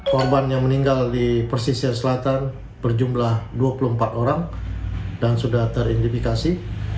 korban yang meninggal di persisir selatan berjumlah dua puluh empat orang dan sudah teridentifikasi